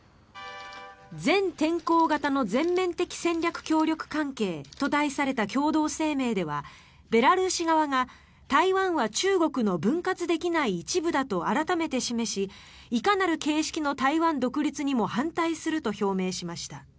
全天候型の全面的戦略協力関係と題された共同声明ではベラルーシ側が台湾は中国の分割できない一部だと改めて示しいかなる形式の台湾独立にも反対すると表明しました。